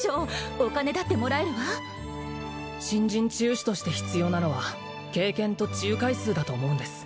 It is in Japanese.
お金だってもらえるわ新人治癒士として必要なのは経験と治癒回数だと思うんです